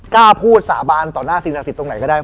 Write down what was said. กล้าพูดสาบานต่อหน้าสิ่งศักดิ์ตรงไหนก็ได้